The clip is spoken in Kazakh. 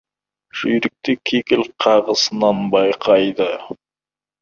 Жүйрікті кекіл қағысынан байқайды.